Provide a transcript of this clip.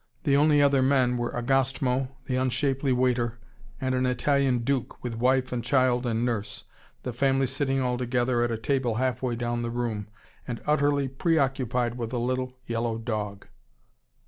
The only other men were Agostmo, the unshapely waiter, and an Italian duke, with wife and child and nurse, the family sitting all together at a table halfway down the room, and utterly pre occupied with a little yellow dog.